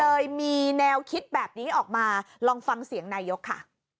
เลยมีแนวคิดแบบนี้ออกมาลองฟังเสียงนายกค่ะ